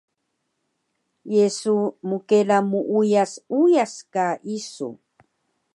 Ye su mkela muuyas uyas ka isu?